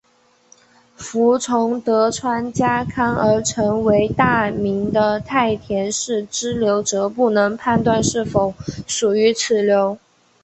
服从德川家康而成为大名的太田氏支流则不能判断是否属于此流。